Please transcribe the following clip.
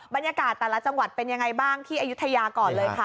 บรรยากาศแต่ละจังหวัดเป็นยังไงบ้างที่อายุทยาก่อนเลยค่ะ